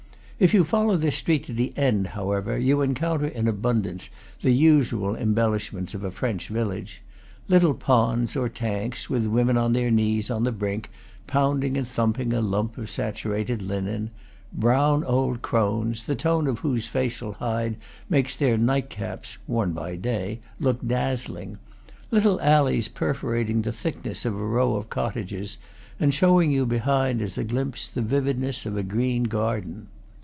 If you follow this street to the end, however, you encounter in abundance the usual embellishments of a French village: little ponds or tanks, with women on their knees on the brink, pounding and thumping a lump of saturated linen; brown old crones, the tone of whose facial hide makes their nightcaps (worn by day) look dazzling; little alleys perforating the thick ness of a row of cottages, and showing you behind, as a glimpse, the vividness of a green garden.